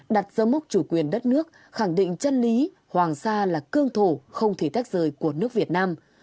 đặt dấu mốc chủ quyền đất nước khẳng định chân lý hoàng sa là cương thổ không thể tách rời của nước việt nam